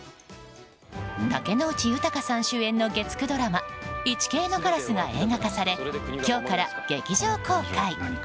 竹野内豊さん主演の月９ドラマ「イチケイのカラス」が映画化され今日から劇場公開。